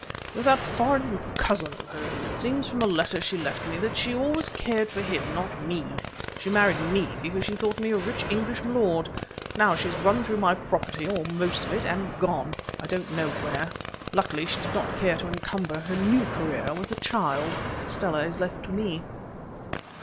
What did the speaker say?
"With that foreign cousin of hers. It seems from a letter she left me that she always cared for him, not for me. She married me because she thought me a rich English milord. Now she has run through my property, or most of it, and gone. I don't know where. Luckily, she did not care to encumber her new career with the child; Stella is left to me."